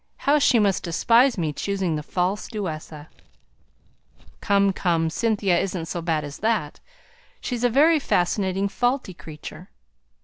how she must despise me, choosing the false Duessa." "Come, come! Cynthia isn't so bad as that. She's a very fascinating, faulty creature."